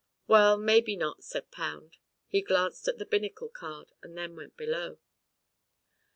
"Well, maybe not," said Pound. He glanced at the binnacle card and then went below.